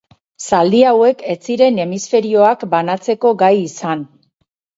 Zaldi hauek, ez ziren hemisferioak banatzeko gai izan.